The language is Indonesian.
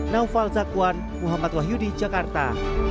naufal zakwan muhammad wahyu di jakarta